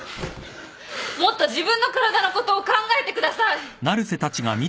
もっと自分の体のことを考えてください！